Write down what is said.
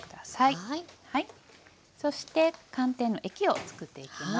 そして寒天の液をつくっていきます。